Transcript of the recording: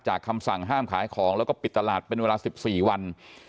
คำสั่งห้ามขายของแล้วก็ปิดตลาดเป็นเวลา๑๔วัน